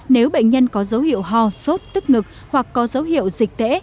nếu bệnh nhân có dấu hiệu ho sốt tức ngực hoặc có dấu hiệu dịch tễ